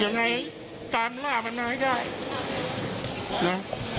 ยังไงตามร่ามานายได้นะ